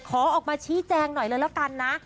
ขอออกมาชี้แจงหน่อยเลยแล้วกันนะ